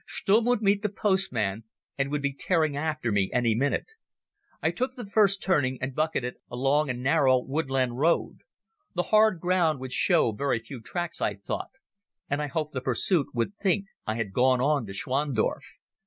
Stumm would meet the postman and would be tearing after me any minute. I took the first turning, and bucketed along a narrow woodland road. The hard ground would show very few tracks, I thought, and I hoped the pursuit would think I had gone on to Schwandorf.